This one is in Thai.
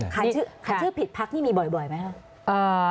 ชื่อผิดพักนี่มีบ่อยไหมครับ